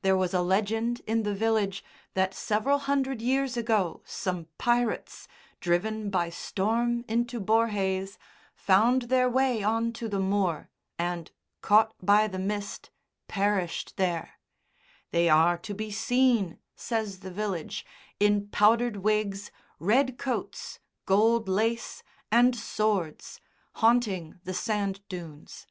There was a legend in the village that several hundred years ago some pirates, driven by storm into Borhaze, found their way on to the moor and, caught by the mist, perished there; they are to be seen, says the village, in powdered wigs, red coats, gold lace, and swords, haunting the sand dunes.